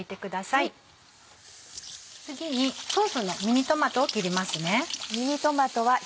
次にソースのミニトマトを切りますね。